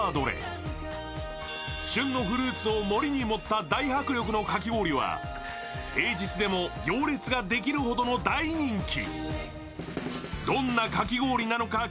旬のフルーツを盛りに盛った大迫力のかき氷は、平日でも行列ができるほどの大人気。